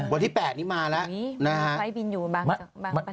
วันที่๘นี้มาแล้วนะฮะ